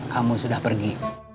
kamu sudah pergi